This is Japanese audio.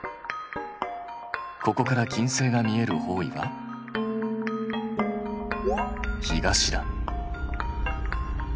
ここから金星が見える方位は東だ。